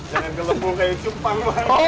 jangan gelembung seperti cumpang